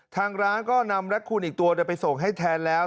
ทางร้านก็นำแล็คคูณอีกตัวไปส่งให้แทนแล้ว